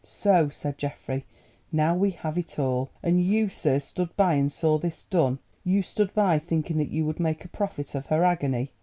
"So," said Geoffrey, "now we have it all. And you, sir, stood by and saw this done. You stood by thinking that you would make a profit of her agony.